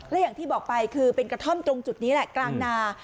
และอย่างที่บอกไปคือเป็นกระท่อมตรงจุดนี้แหละกลางนา